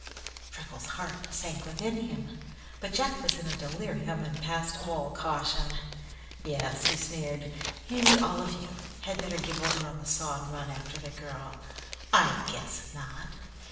Freckles' heart sank within him, but Jack was in a delirium and past all caution. "Yes," he sneered. "Mebby all of you had better give over on the saw and run after the girl. I guess not!